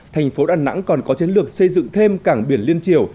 thành phố đà nẵng còn có chiến lược xây dựng thêm cảng biển liên triều